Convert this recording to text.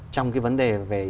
trong cái vấn đề về